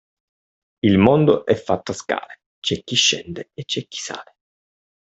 Il mondo è fatto a scale, c'è chi scende e c'è chi sale.